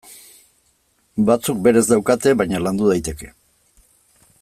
Batzuk berez daukate, baina landu daiteke.